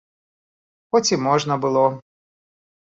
Хоць і можна было.